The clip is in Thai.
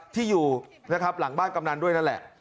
ที่อยู่นะครับหลังบ้านกำนันด้วยนั่นแหละ